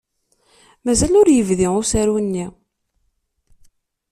Mazal ur yebdi usaru-nni.